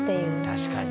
確かにね。